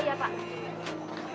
lo denger gue nggak